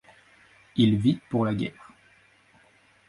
Il vit pour la guerre.